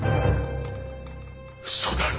嘘だろ？